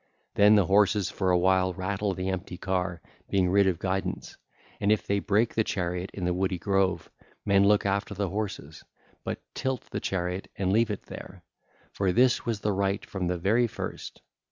Then the horses for a while rattle the empty car, being rid of guidance; and if they break the chariot in the woody grove, men look after the horses, but tilt the chariot and leave it there; for this was the rite from the very first.